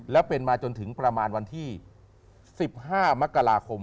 แล้วเป็นมาจนถึงประมาณวันที่๑๕มกราคม